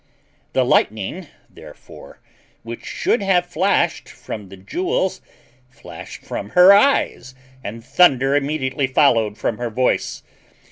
The lightning, therefore, which should have flashed from the jewels, flashed from her eyes, and thunder immediately followed from her voice.